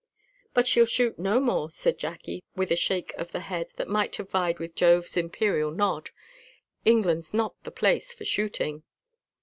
"But she'll shoot no more," said Jacky, with a shake of the head that might have vied with Jove's imperial nod; "England's not the place for shooting."